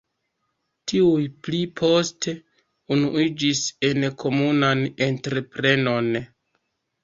Tiuj pli poste unuiĝis en komunan entreprenon.